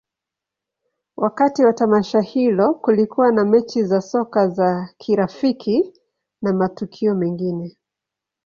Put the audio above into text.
Wakati wa tamasha hilo, kulikuwa na mechi za soka za kirafiki na matukio mengine.